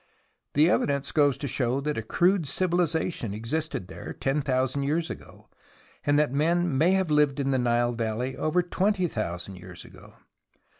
The evidence goes to show that a crude civiliza tion existed there ten thousand years ago, and that men may have lived in the Nile valley over twenty thousand years ago.